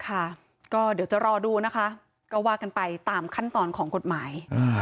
ก็เดี๋ยวจะรอดูนะคะก็ว่ากันไปตามขั้นตอนของกฎหมาย